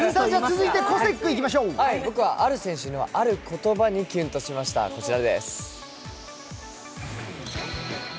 僕はある選手のある言葉にキュンとしました、こちらです。